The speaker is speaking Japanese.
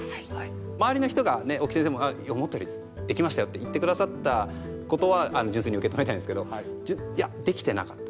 周りの人が大木先生も「思ったよりできましたよ」って言って下さったことは純粋に受け止めたいんですけどいやできてなかった。